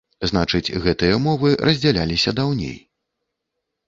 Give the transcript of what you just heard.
Значыць, гэтыя мовы раздзяліліся даўней.